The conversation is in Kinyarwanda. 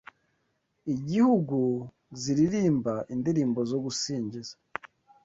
igihugu ziririmba indirimbo zo gusingiza